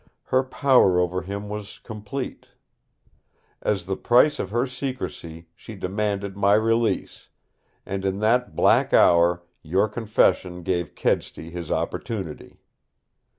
Her power over him was complete. As the price of her secrecy she demanded my release, and in that black hour your confession gave Kedsty his opportunity.